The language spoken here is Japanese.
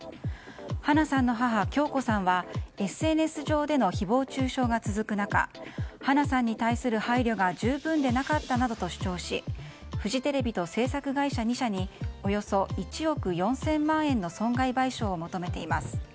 花さんの母・響子さんはＳＮＳ上での誹謗中傷が続く中花さんに対する配慮が十分でなかったなどと主張しフジテレビと制作会社２社におよそ１億４０００万円の損害賠償を求めています。